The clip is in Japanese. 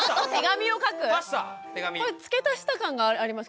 これ付け足した感があります。